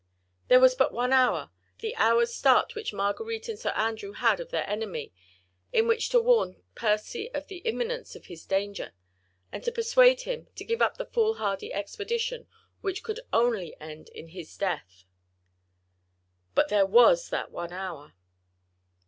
There was but one hour—the hour's start which Marguerite and Sir Andrew had of their enemy—in which to warn Percy of the imminence of his danger, and to persuade him to give up the foolhardy expedition, which could only end in his own death. But there was that one hour.